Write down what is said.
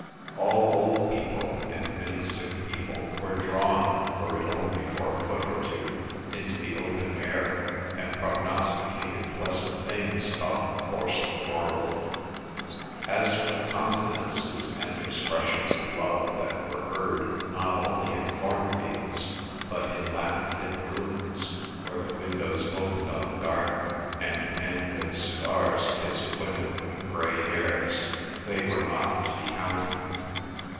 All old people and many sick people were drawn, were it only for a foot or two, into the open air, and prognosticated pleasant things about the course of the world. As for the confidences and expressions of love that were heard not only in cornfields but in lamplit rooms, where the windows opened on the garden, and men with cigars kissed women with grey hairs, they were not to be counted.